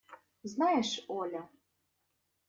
Знаешь, Оля!